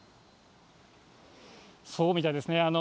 そうみたいですね。